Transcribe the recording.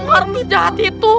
uang itu jahat itu